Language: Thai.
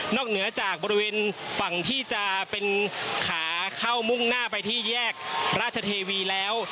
เหนือจากบริเวณฝั่งที่จะเป็นขาเข้ามุ่งหน้าไปที่แยกราชเทวีแล้ว